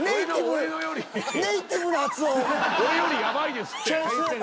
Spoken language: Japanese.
俺よりやばいですって。